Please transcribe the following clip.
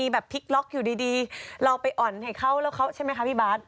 แบบพลิกล็อกอยู่ดีเราไปอ่อนให้เขาแล้วเขาใช่ไหมคะพี่บาท